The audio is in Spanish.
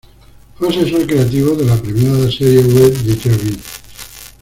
Fue asesor creativo de la premiada serie web Deja vu.